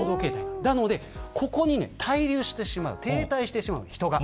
なのでここに滞留してしまう停滞してしまう人が。